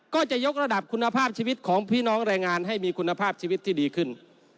ก็จะยกระดับคุณภาพชีวิตของพี่น้องแรงงานให้มีคุณภาพชีวิตที่ดีขึ้น